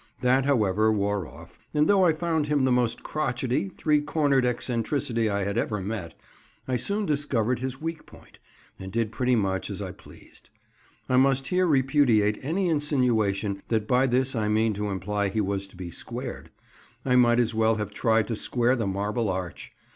That, however, wore off; and though I found him the most crotchety, three cornered eccentricity I had ever met, I soon discovered his weak point, and did pretty much as I pleased. I must here repudiate any insinuation that by this I mean to imply he was to be squared. I might as well have tried to square the Marble Arch.